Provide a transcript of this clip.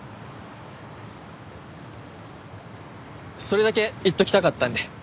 それだけ言っておきたかったんで。